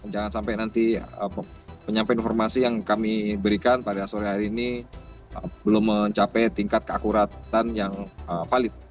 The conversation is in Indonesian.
jangan sampai nanti penyampaian informasi yang kami berikan pada sore hari ini belum mencapai tingkat keakuratan yang valid